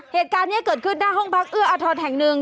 เหตุการณ์นี้เกิดขึ้นหน้าห้องพักเอื้ออาทรแห่งหนึ่ง